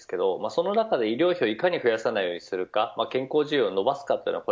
その中で医療費をいかに増やさないようにするか健康寿命を伸ばすかというのは